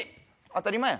当たり前や。